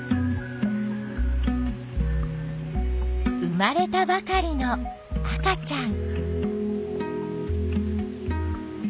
生まれたばかりの赤ちゃん。